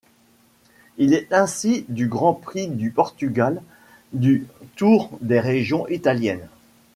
Il est ainsi du Grand Prix du Portugal, du Tour des Régions Italiennes.